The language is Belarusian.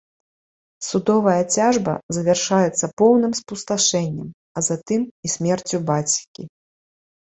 Судовая цяжба завяршаецца поўным спусташэннем, а затым і смерцю бацькі.